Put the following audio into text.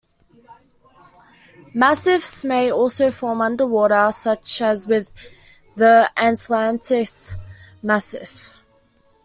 Massifs may also form underwater such as with the Atlantis Massif.